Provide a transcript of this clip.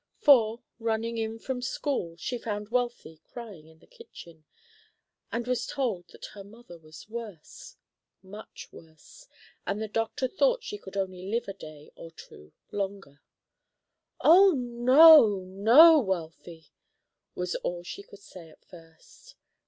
For, running in from school, she found Wealthy crying in the kitchen, and was told that her mother was worse, much worse, and the doctor thought she could only live a day or two longer. "Oh, no, no, Wealthy," was all she could say at first.